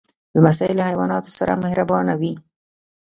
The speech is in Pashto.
لمسی له حیواناتو سره مهربانه وي.